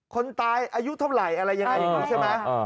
คนตายอายุเท่าไหร่อะไรยังไง